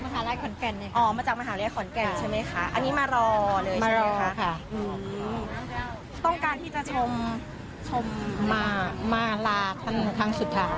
มหาลัยขอนแก่นนะคะอ๋อมาจากมหาลัยขอนแก่นใช่ไหมคะอันนี้มารอเลยใช่ไหมคะมารอค่ะอืมต้องการที่จะชมชมมามาลาท่านครั้งสุดท้าย